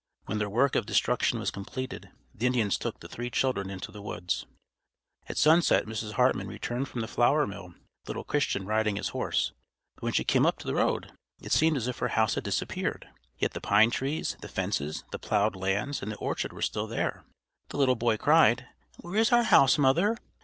When their work of destruction was completed the Indians took the three children into the woods. At sunset Mrs. Hartman returned from the flour mill with little Christian riding his horse, but when she came up the road it seemed as if her house had disappeared. Yet the pine trees, the fences, the plowed fields, and the orchard were still there. The little boy cried, "Where is our house, mother?"